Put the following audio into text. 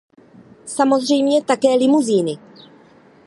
Samozřejmě také limuzíny.